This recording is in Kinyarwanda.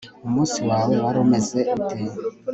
umunsi wawe wari umeze ute